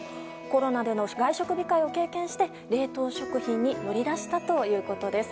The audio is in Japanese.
コロナでの外食控えを経験して冷凍食品に乗り出したということです。